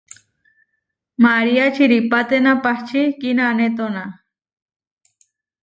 María čiʼrípatena pahčí kinanétona.